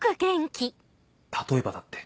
例えばだって。